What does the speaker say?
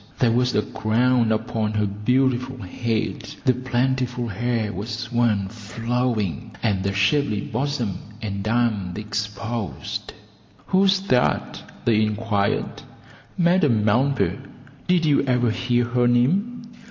There was a crown upon her beautiful head, the plentiful hair was worn flowing, and the shapely bosom and arms exposed. "Who's that?" they inquired. "Madame Melba; did you ever hear her name?"